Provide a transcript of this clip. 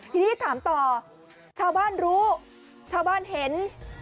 ทีนี้ถามต่อชาวบ้านรู้ชาวบ้านเห็น